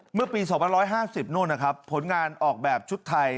เมื่อปีสองพันร้อยห้าสิบผลงานออกแบบชุดไทย